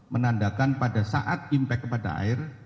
menandakan pada saat impact kepada air